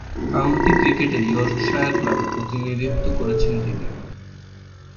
County ক্রিকেটে Yorkshire ক্লাবের প্রতিনিধিত্ব করেছেন তিনি।